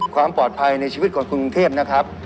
ความปลอดภัยในชีวิตคนกรุงเทพนะครับ